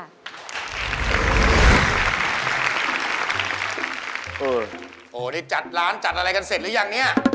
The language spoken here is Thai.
โอ้โหนี่จัดร้านจัดอะไรกันเสร็จหรือยังเนี่ย